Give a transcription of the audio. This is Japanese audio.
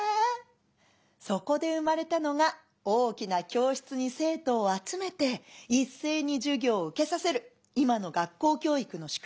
そこで生まれたのが大きな教室に生徒を集めて一斉に授業を受けさせる今の学校教育の仕組みなんだよ」。